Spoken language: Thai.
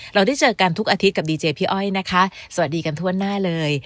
เราได้เจอกันทุกอาทิตย์กับดีเจพี่อ้อยนะคะสวัสดีกันทั่วหน้าเลย